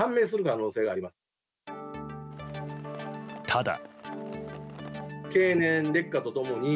ただ。